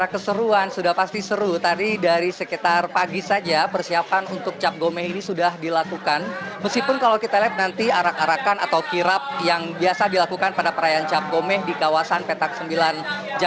pertunjukan seperti wayang potehi juga akan ditampilkan dalam rayaan cap gome kali ini